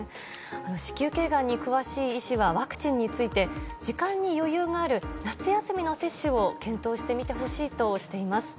子宮頸がんに詳しい医師はワクチンについて時間に余裕がある夏休みの接種を検討してみてほしいとしています。